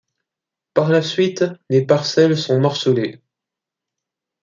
Par la suite, les parcelles sont morcelées.